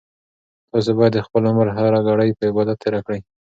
تاسو باید د خپل عمر هره ګړۍ په عبادت تېره کړئ.